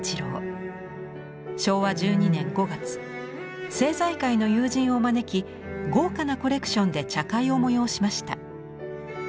昭和１２年５月政財界の友人を招き豪華なコレクションで茶会を催しました。